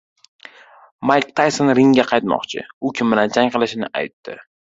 Mayk Tayson ringga qaytmoqchi. U kim bilan jang qilishini aytdi